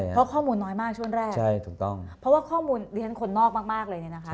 เพราะข้อมูลน้อยมากช่วงแรกเพราะว่าข้อมูลเรียนคนนอกมากเลยเนี่ยนะคะ